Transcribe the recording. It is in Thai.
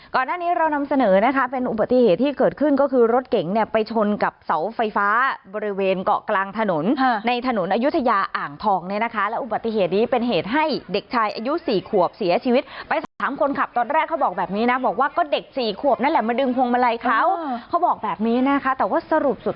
ก่อนหน้านี้เรานำเสนอนะคะเป็นอุบัติเหตุที่เกิดขึ้นก็คือรถเก๋งเนี่ยไปชนกับเสาไฟฟ้าบริเวณเกาะกลางถนนในถนนอายุทยาอ่างทองเนี่ยนะคะแล้วอุบัติเหตุนี้เป็นเหตุให้เด็กชายอายุสี่ขวบเสียชีวิตไปสอบถามคนขับตอนแรกเขาบอกแบบนี้นะบอกว่าก็เด็กสี่ขวบนั่นแหละมาดึงพวงมาลัยเขาเขาบอกแบบนี้นะคะแต่ว่าสรุปสุด